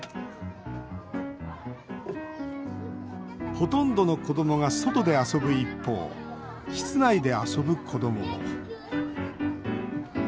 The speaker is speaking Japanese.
ほとんどの子どもが外で遊ぶ一方室内で遊ぶ子どもも。